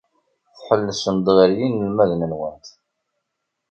Tḥellsemt-d ɣer yinelmaden-nwent.